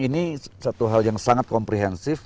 ini satu hal yang sangat komprehensif